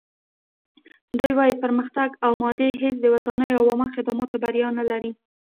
دوی وايي پرمختګ او مادي هڅې د ودانۍ او عامه خدماتو بریا نه لري.